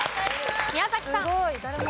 宮崎さん。